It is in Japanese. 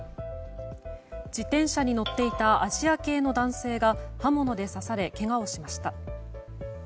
自転車に乗っていたアジア系の男性が刃物で刺されけがをしました。